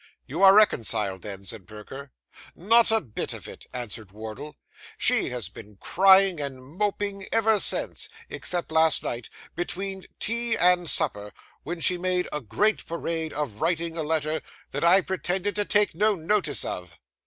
'You are reconciled then?' said Perker. 'Not a bit of it,' answered Wardle; 'she has been crying and moping ever since, except last night, between tea and supper, when she made a great parade of writing a letter that I pretended to take no notice of.